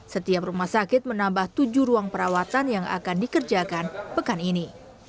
setiap rumah sakit menambah tujuh ruang perawatan yang akan dikerjakan pekan ini